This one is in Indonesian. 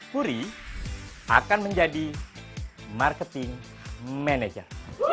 puri akan menjadi marketing manager